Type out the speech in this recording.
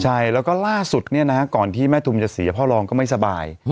ใช่แล้วก็ล่าสุดก่อนที่แม่ทุมจะเสียพ่อรองก็ไม่สบาย